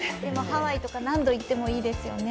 ハワイとか何度、行ってもいいですよね。